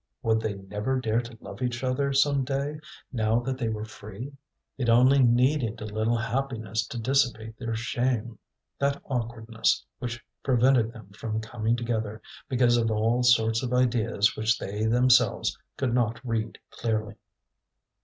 Would they never dare to love each other some day, now that they were free? It only needed a little happiness to dissipate their shame that awkwardness which prevented them from coming together because of all sorts of ideas which they themselves could not read clearly.